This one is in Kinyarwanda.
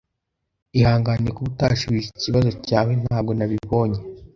Ihangane kuba utashubije ikibazo cyawe. Ntabwo nabibonye.